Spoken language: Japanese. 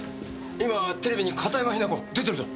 今テレビに片山雛子出てるぞ。